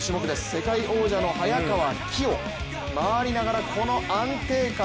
世界王者の早川起生、回りながらこの安定感。